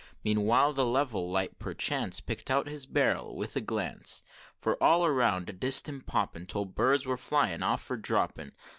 Meanwhile the level light perchance Pick'd out his barrel with a glance; For all around a distant popping Told birds were flying off or dropping.